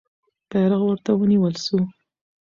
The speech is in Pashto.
بیرغ ورته ونیول سو.